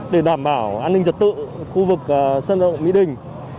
để đảm bảo an ninh trật tự khu vực sân động mỹ đình